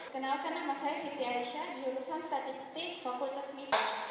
kenalkan nama saya siti aisyah diurusan statistik fakultas mimpi